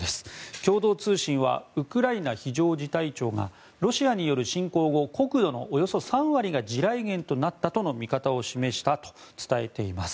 共同通信はウクライナ非常事態庁がロシアによる侵攻後国土のおよそ３割が地雷原となったとの見方を示したと伝えています。